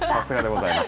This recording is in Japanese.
さすがでございます。